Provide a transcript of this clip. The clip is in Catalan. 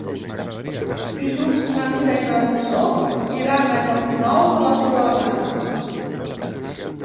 Dilluns na Mira i na Rosó iran a Llocnou de la Corona.